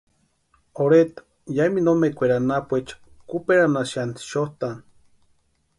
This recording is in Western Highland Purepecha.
Orheta yamintu omekweri anapuecha kuperanhasïanti xotʼani.